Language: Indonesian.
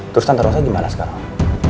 terus tante rosanya gimana sekarang